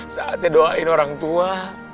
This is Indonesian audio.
saatnya doain orang tua